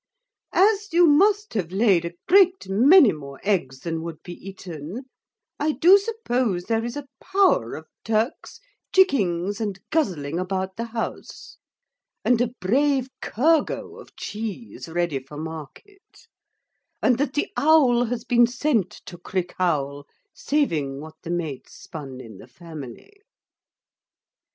As you must have layed a great many more eggs than would be eaten, I do suppose there is a power of turks, chickings, and guzzling about the house; and a brave kergo of cheese ready for market; and that the owl has been sent to Crickhowel, saving what the maids spun in the family.